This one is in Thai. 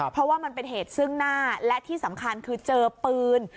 เพราะว่ามันเป็นเหตุซึ่งหน้าและที่สำคัญคือเจอปืน